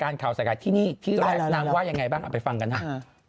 นางว่ายังไงบ้างออกไปฟังกันหน่า